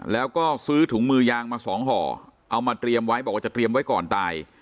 แล้วก็ซื้อถุงมือยางมาสองห่อเอามาเตรียมไว้บอกว่าจะเตรียมไว้ก่อนตาย